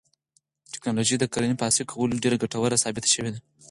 تکنالوژي د کرنې په عصري کولو کې ډېره ګټوره ثابته شوې ده.